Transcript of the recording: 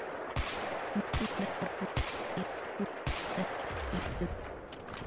Dicha zona corresponde al trazado fundacional de la ciudad.